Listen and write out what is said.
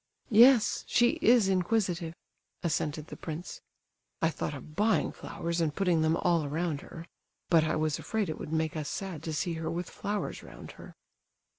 "Yes, she is inquisitive," assented the prince. "I thought of buying flowers, and putting them all round her; but I was afraid it would make us sad to see her with flowers round her."